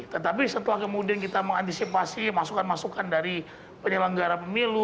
tetapi setelah kemudian kita mengantisipasi masukan masukan dan kemudian kita memilih